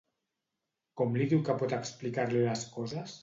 Com li diu que pot explicar-li les coses?